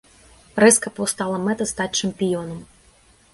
Рэзка паўстала мэта стаць чэмпіёнам.